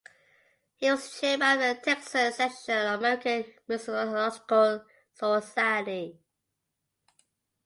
He was chairman of the Texan section of the American Musicological Society.